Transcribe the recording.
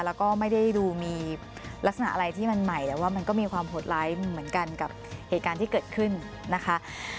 แล้วก็ไม่ได้ดูมีลักษณะอะไรที่มันใหม่แต่ว่ามันก็มีความโหดร้ายเหมือนกันกับเหตุการณ์ที่เกิดขึ้นนะคะ